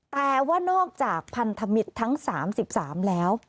แต่ว่านอกจากพันธมิตรทั้ง๓๓แล้ว